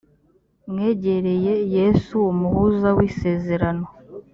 mwegereye yesu umuhuza w ‘isezerano.